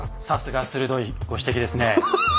さすが鋭いご指摘ですねえ。